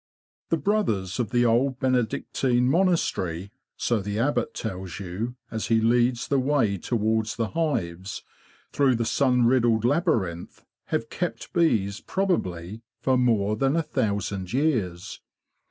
The brothers of the old Benedictine monastery —so the Abbot tells you, as he leads the way towards the hives, through the sun riddled laby rinth—have kept bees, probably, for more than a thousand years.